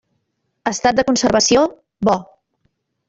Estat de conservació: bo.